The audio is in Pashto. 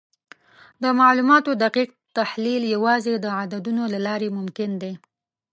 د معلوماتو دقیق تحلیل یوازې د عددونو له لارې ممکن دی.